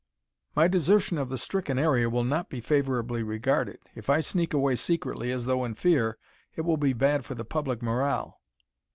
"My desertion of the stricken area will not be favorably regarded. If I sneak away secretly as though in fear, it will be bad for the public morale."